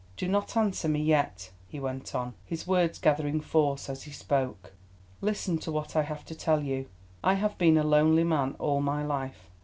Do not answer me yet," he went on, his words gathering force as he spoke. "Listen to what I have to tell you. I have been a lonely man all my life.